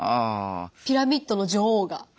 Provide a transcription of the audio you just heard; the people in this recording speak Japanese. ピラミッドの女王が。